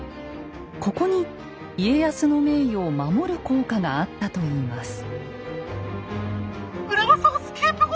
ここに家康の名誉を守る効果があったといいます。